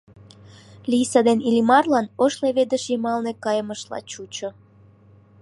Лийса ден Иллимарлан ош леведыш йымалне кайымыштла чучо.